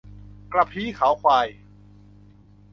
กระพี้เขาควาย